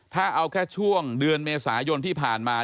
ถ้าเอาแค่ช่วงเดือนเมษายนที่ผ่านมา